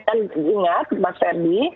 dan ingat mas ferdy